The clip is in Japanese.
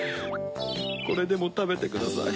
これでもたべてください。